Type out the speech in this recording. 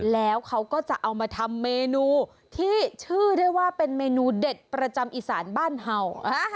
แล้วเขาก็จะเอามาทำเมนูที่ชื่อได้ว่าเป็นเมนูเด็ดประจำอีสานบ้านเห่า